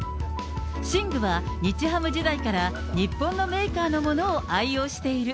寝具は日ハム時代から、日本のメーカーのものを愛用している。